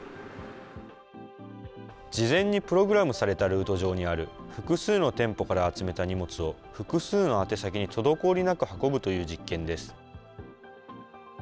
事前にプログラムされたルート上にある複数の店舗から集めた荷物を、複数の宛先に滞りなく運ぶという実験です。